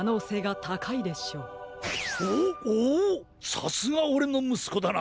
さすがオレのむすこだな！